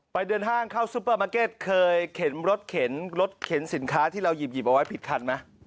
เดินห้างเข้าซุปเปอร์มาร์เก็ตเคยเข็นรถเข็นรถเข็นสินค้าที่เราหยิบเอาไว้ผิดคันไหม